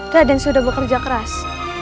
raden sudah bekerja keras